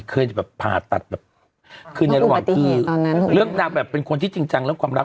เคยแบบผ่าตัดแบบคือในระหว่างที่เรื่องนางแบบเป็นคนที่จริงจังเรื่องความรัก